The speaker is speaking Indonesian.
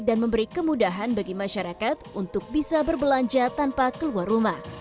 dan memberi kemudahan bagi masyarakat untuk bisa berbelanja tanpa keluar rumah